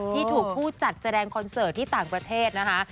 ที่ถูกผู้จัดแสดงคอนเสิร์ตที่ต่างประเทศนะคะ